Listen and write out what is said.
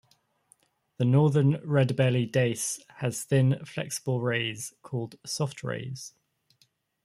The Northern Redbelly Dace has thin, flexible rays called "soft-rays".